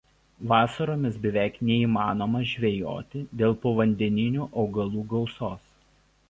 Vasaromis beveik neįmanoma žvejoti dėl povandeninių augalų gausos.